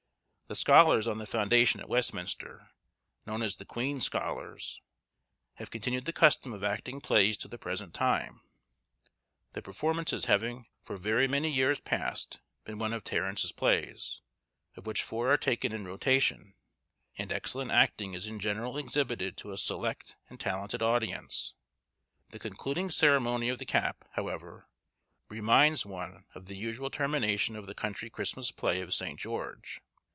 The scholars on the foundation at Westminster, known as the queen's scholars, have continued the custom of acting plays to the present time, the performances having for very many years past been one of Terence's plays, of which four are taken in rotation, and excellent acting is in general exhibited to a select and talented audience; the concluding ceremony of the cap, however, reminds one of the usual termination of the country Christmas play of St. George.